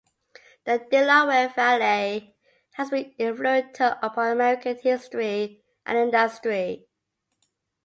The Delaware Valley has been influential upon American history and industry.